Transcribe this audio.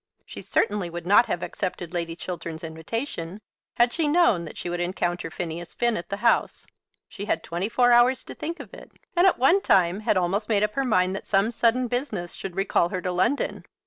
She certainly would not have accepted Lady Chiltern's invitation had she known that she would encounter Phineas Finn at the house. She had twenty four hours to think of it, and at one time had almost made up her mind that some sudden business should recall her to London.